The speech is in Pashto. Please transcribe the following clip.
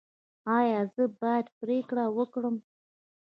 ایا زه باید پریکړه وکړم؟